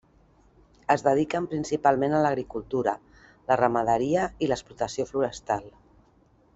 Es dediquen principalment a l'agricultura, la ramaderia i l'explotació forestal.